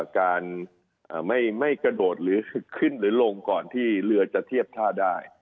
การไม่กระโดดหรือขึ้นหรือลงก่อนที่เรือจะเทียบท่าได้